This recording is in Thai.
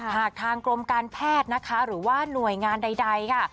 หากทางกรมการแพทย์นะคะหรือว่าหน่วยงานใดค่ะ